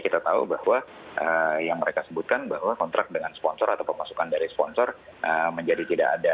kita tahu bahwa yang mereka sebutkan bahwa kontrak dengan sponsor atau pemasukan dari sponsor menjadi tidak ada